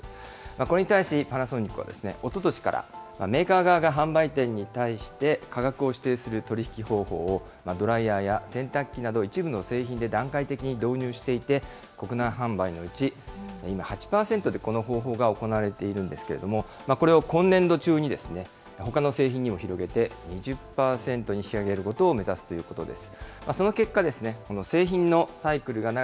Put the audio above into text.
これに対しパナソニックは、おととしから、メーカー側が販売店に対して価格を指定する取り引き方法をドライヤーや洗濯機など一部の製品で段階的に導入していて、国内販売のうち今、８％でこの方法が行われているんですけれども、これを今年度中に、ほかの製品にも広げて、２０％に引き上げることを目指すということです。